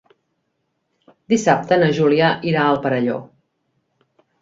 Dissabte na Júlia irà al Perelló.